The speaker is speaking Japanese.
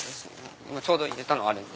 ちょうど入れたのがあるんで。